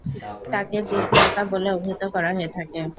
তাকে 'বীজ মাতা' বলে অভিহিত করা হয়ে থাকে।